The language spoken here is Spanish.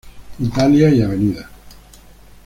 Italia y Av.